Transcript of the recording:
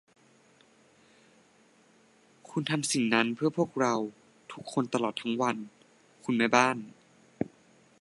คุณทำสิ่งนั้นเพื่อพวกเราทุกคนตลอดทั้งวัน คุณแม่บ้าน